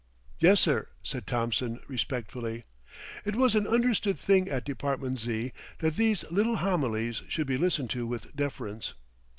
"Yes, sir," said Thompson respectfully. It was an understood thing at Department Z. that these little homilies should be listened to with deference.